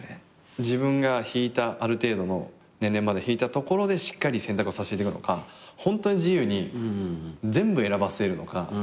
自分がひいたある程度の年齢までひいたところでしっかり選択をさせていくのかホントに自由に全部選ばせるのか。